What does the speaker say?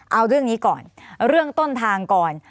เอาเรื่องนี้ก่อนเรื่องต้นทางก่อน